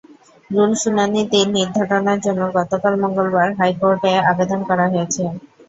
Rule শুনানির দিন নির্ধারণের জন্য গতকাল মঙ্গলবার হাইকোর্টে আবেদন করা হয়েছে।